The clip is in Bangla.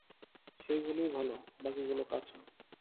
সেইগুলিই ভালো, বাকিগুলা কাঁচা।